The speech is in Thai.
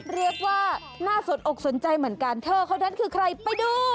เรียกว่าน่าสนอกสนใจเหมือนกันเธอคนนั้นคือใครไปดู